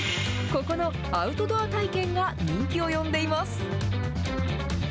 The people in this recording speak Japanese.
ここのアウトドア体験が人気を呼んでいます。